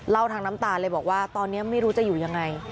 ทางน้ำตาเลยบอกว่าตอนนี้ไม่รู้จะอยู่ยังไง